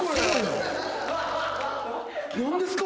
何ですか？